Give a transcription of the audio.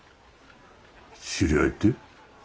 知り合いって？